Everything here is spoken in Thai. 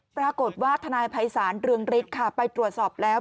ทนายภัยศาลเรืองฤทธิ์ค่ะไปตรวจสอบแล้ว